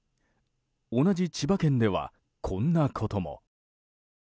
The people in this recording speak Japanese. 同じ千葉県では、こんなことも。